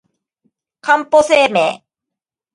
かんぽ生命